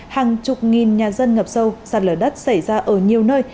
hàng chục nghìn nhà dân ngập sâu sạt lở đất xảy ra ở nhiều nơi